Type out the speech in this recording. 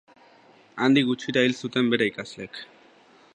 Handik gutxira hil zuten bere ikasleek.